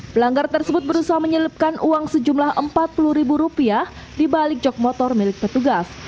pelanggar tersebut berusaha menyelipkan uang sejumlah rp empat puluh ribu rupiah di balik jog motor milik petugas